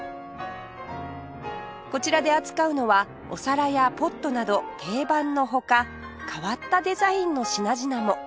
こちらで扱うのはお皿やポットなど定番の他変わったデザインの品々も